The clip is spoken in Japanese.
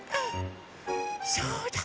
そうだ！